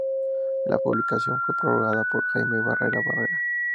La publicación fue prologada por Jaime Barrera Barrera.